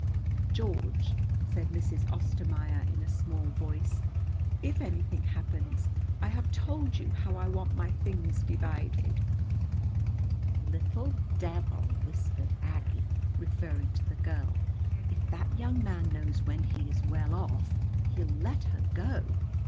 "George," said Mrs. Ostermaier in a small voice, "if anything happens, I have told you how I want my things divided." "Little devil!" whispered Aggie, referring to the girl. "If that young man knows when he is well off, he'll let her go."